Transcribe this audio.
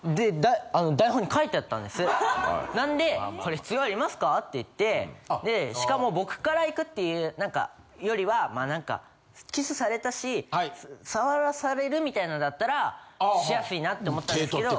なんで「これ必要ありますか？」って言ってしかも僕から行くっていうなんかよりはまあなんかキスされたし触らされるみたいなんだったらしやすいなって思ったんですけど。